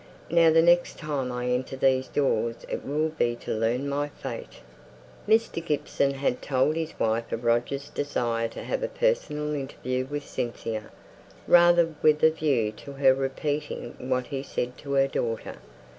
Now the next time I enter these doors, it will be to learn my fate!" Mr. Gibson had told his wife of Roger's desire to have a personal interview with Cynthia, rather with a view to her repeating what he said to her daughter.